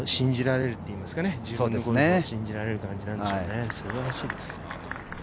あと自分のゴルフを信じられる感じなんでしょうね。